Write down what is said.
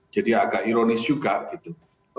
jadi agak ironis juga gitu